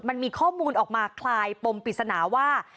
มันมีข้อมูลออกมาคลายปมปริศนาว่า